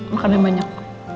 makan yang banyak